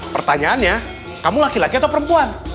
pertanyaannya kamu laki laki atau perempuan